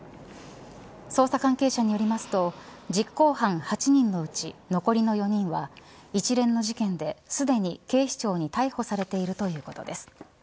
捜査関係者によりますと実行犯８人のうち残りの４人は、一連の事件ですでに警視庁に逮捕されているということです。